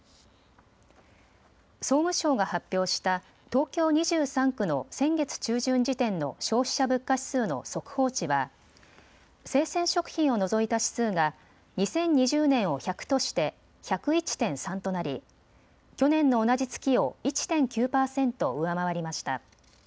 総務省が発表した東京２３区の先月中旬時点の消費者物価指数の速報値は生鮮食品を除いた指数が２０２０年を１００として１０１．３となり去年の同じ月を１．９％上回りました。